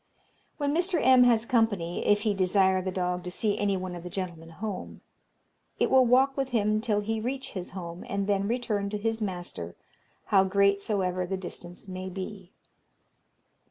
"When Mr. M. has company, if he desire the dog to see any one of the gentlemen home, it will walk with him till he reach his home, and then return to his master, how great soever the distance may be.